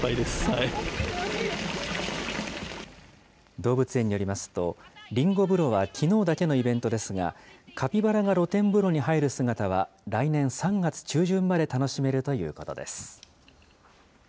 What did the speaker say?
動物園によりますと、りんご風呂はきのうだけのイベントですが、カピバラが露天風呂に入る姿は、来年３月中旬まで楽しめるということです。